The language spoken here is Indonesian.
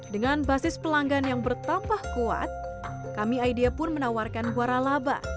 dengan basis pelanggan yang bertambah kuat kami idea pun menawarkan waralaba